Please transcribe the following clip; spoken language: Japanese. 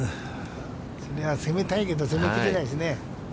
それは攻めたいけど攻めきれないですね。